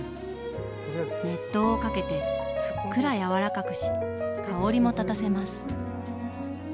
熱湯をかけてふっくら柔らかくし香りも立たせます。